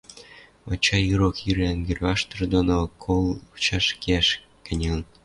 Вачай ирок ирӹ ӓнгӹрваштыр доно кол кычаш кеӓш кӹньӹлӹн.